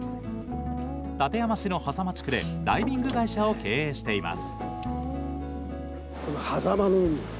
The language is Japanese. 館山市の波左間地区でダイビング会社を経営しています。